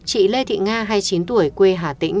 chị lê thị nga hai mươi chín tuổi quê hà tĩnh